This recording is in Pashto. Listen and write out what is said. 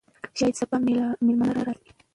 شاید سبا مېلمانه راشي.